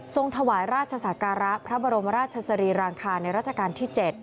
ถวายราชศักระพระบรมราชสรีรางคารในราชการที่๗